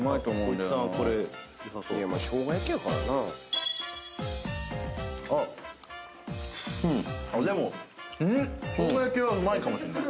でも生姜焼きはうまいかもしれない。